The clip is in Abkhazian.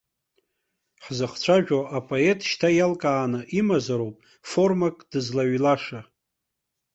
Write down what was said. Ҳзыхцәажәо апоет шьҭа иалкааны имазароуп формак дызлаҩлаша.